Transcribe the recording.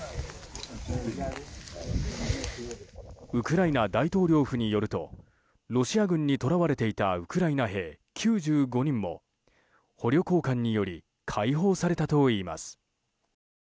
ウクライナ大統領府によるとロシア軍にとらわれていたウクライナ兵９５人も捕虜交換により解放されたといいます。